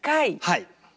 はい。